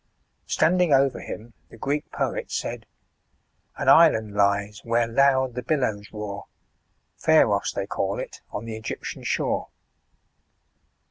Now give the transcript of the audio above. Standing over him the Greek poet said " An island lies, where loud the billows roar, Pharos they call it, on the Egyptian shore."